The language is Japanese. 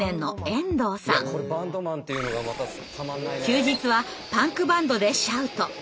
休日はパンクバンドでシャウト。